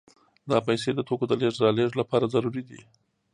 دا پیسې د توکو د لېږد رالېږد لپاره ضروري دي